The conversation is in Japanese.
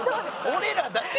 俺らだけよ！